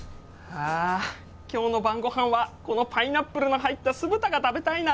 あ今日の晩ごはんはこのパイナップルの入った酢豚が食べたいな。